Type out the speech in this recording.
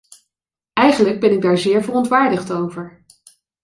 Eigenlijk ben ik daar zeer verontwaardigd over.